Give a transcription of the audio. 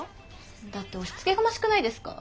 だって押しつけがましくないですか？